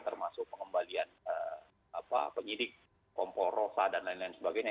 termasuk pengembalian penyidik komporosa dan lain lain sebagainya